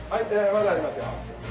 まだありますよ！